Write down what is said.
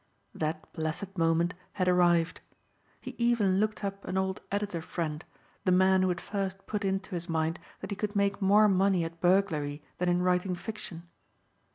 That blessed moment had arrived. He even looked up an old editor friend, the man who had first put into his mind that he could make more money at burglary than in writing fiction.